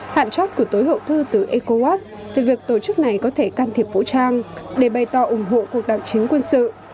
hạn chót của tối hậu thư từ ecowas về việc tổ chức này có thể can thiệp vũ trang để bày tỏ ủng hộ cuộc đảo chính quân sự